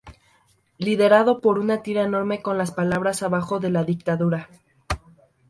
Liderado por una tira enorme con las palabras "Abajo la dictadura.